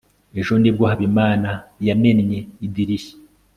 ejo nibwo habimana yamennye idirishya